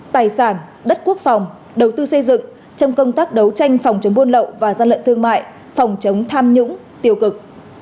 tài sản đất quốc phòng đầu tư xây dựng trong công tác đấu tranh phòng chống buôn lậu và gian lận thương mại phòng chống tham nhũng tiêu cực